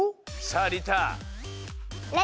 さありた！